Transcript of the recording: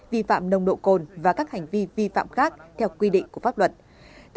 vi phạm nồng độ cồn và các hành vi vi phạm khác theo quy định của pháp luật